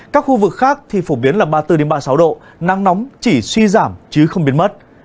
các khu vực khác thì phổ biến là ba mươi bốn ba mươi sáu độ nắng nóng chỉ suy giảm chứ không biến mất